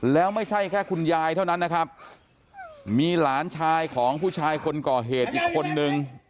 แล้วไม่ใช่แค่คุณยายเท่านั้นนะครับมีหลานชายของผู้ชายคนก่อเหตุอีกคนนึง